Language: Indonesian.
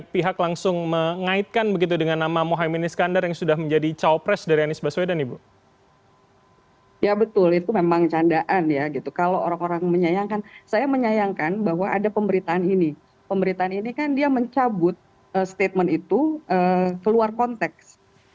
pemerintahan ini kan dia mencabut statement itu keluar konteks